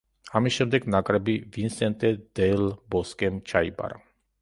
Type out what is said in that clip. ამის შემდეგ ნაკრები ვისენტე დელ ბოსკემ ჩაიბარა.